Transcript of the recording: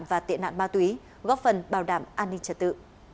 và tệ nạn ma túy góp phần bảo đảm an ninh trật tự